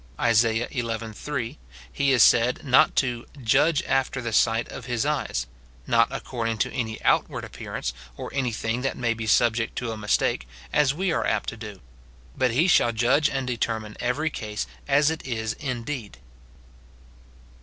Isa. xi. 3, He is said not to "judge after the sight of his eyes," — not accord ing to any outward appearance, or any thing that may be subject to a mistake, as we are apt to do ; but he shall judge and determine every case as it is indeed.